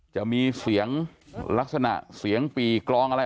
จะมีเสียงลักษณะเสียงปี่กลองอะไร